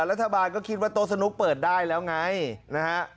รัฐบาลก็คิดว่าโต๊ะสนุกเปิดได้แล้วไงนะฮะ